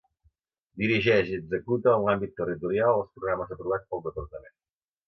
Dirigeix i executa en l'àmbit territorial els programes aprovats pel Departament.